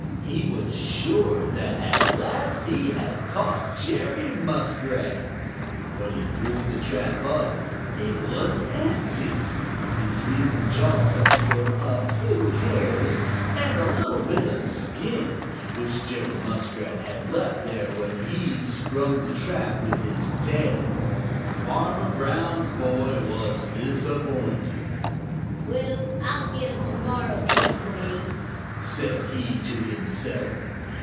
He was sure that at last he had caught Jerry Muskrat. When he pulled the trap up, it was empty. Between the jaws were a few hairs and a little bit of skin, which Jerry Muskrat had left there when he sprung the trap with his tail. Farmer Brown's boy was disappointed. "Well, I'll get him to morrow, anyway," said he to himself.